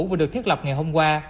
vừa được thiết lập ngày hôm qua